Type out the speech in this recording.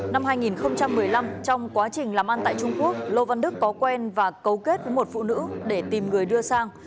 năm hai nghìn một mươi năm trong quá trình làm ăn tại trung quốc lô văn đức có quen và cấu kết với một phụ nữ để tìm người đưa sang